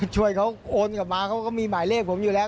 ช่วยเขาโอนกลับมาเขาก็มีหมายเลขผมอยู่แล้ว